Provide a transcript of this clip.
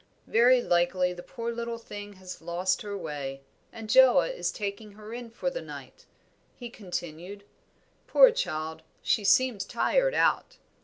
"Very likely the poor little thing has lost her way, and Joa is taking her in for the night," he continued. "Poor child, she seems tired out."